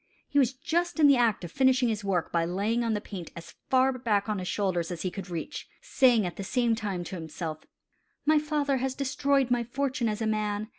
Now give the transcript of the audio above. He was just in the act of finishing his work by laying on the paint as far back on his shoulders as he could reach, saying at the same time to himself: "My father has destroyed my fortune as a man.